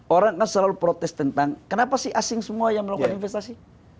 orang kan selalu protes tentang kenapa sih asing semua yang melakukan investasi